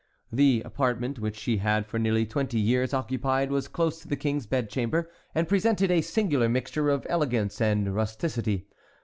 The apartment which she had for nearly twenty years occupied was close to the King's bed chamber and presented a singular mixture of elegance and rusticity.